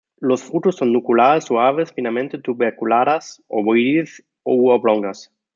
Los frutos son núculas suaves finamente tuberculadas, ovoides u oblongas.